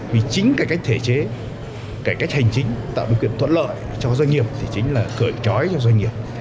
vì chính cái cách thể chế cái cách hành chính tạo được kiện thuận lợi cho doanh nghiệp thì chính là cởi trói cho doanh nghiệp